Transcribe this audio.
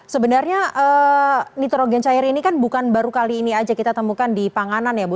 sebenarnya nitrogen cair ini kan bukan baru kali ini aja kita temukan di panganan ya bu